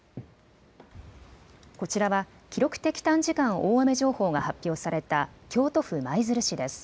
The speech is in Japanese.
こちらは記録的短時間大雨情報が発表された京都府舞鶴市です。